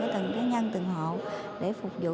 từng nhân từng hộ để phục vụ